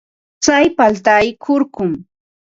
Tsay paltay kurkum.